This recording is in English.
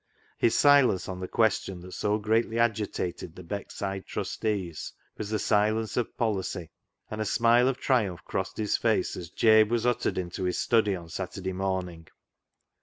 His silence on the question that so greatly agitated the Beckside Trustees was the silence of policy, and a smile of triumph crossed his face as Jabe was ushered into his study on Saturday morning.